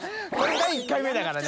海第１回目だからね。